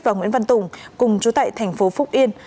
và nguyễn văn tùng cùng trú tại tp phúc yên